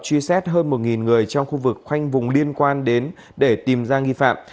truy xét hơn một người trong khu vực khoanh vùng liên quan đến để tìm ra nghi phạm